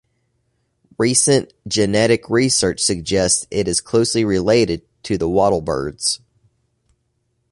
Recent genetic research suggests it is closely related to the wattlebirds.